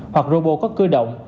hoặc robot có cư động